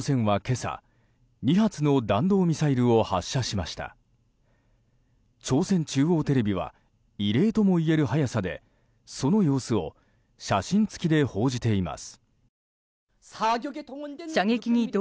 朝鮮中央テレビは異例ともいえる早さでその様子を写真付きで報じています。